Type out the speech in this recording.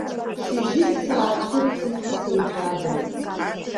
Шьыжьык саацәырҵит сҭынхадан.